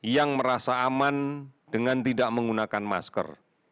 yang merasa aman dengan tidak menggunakan masker